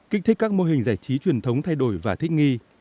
kích thích các mô hình giải trí truyền thống thay đổi và thích nghi